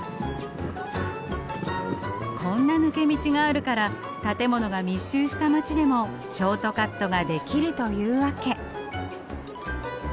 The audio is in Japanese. こんな抜け道があるから建物が密集した街でもショートカットができるというわけ。